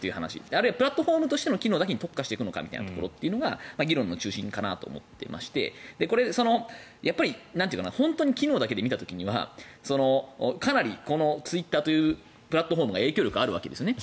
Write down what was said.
あるいはプラットフォームの機能だけに特化していくのかどうかが議論の中心かなと思っていまして本当に機能だけで見た時にはかなり、このツイッターというプラットフォームは影響力あるわけですね。